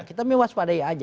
kita mewaspadai aja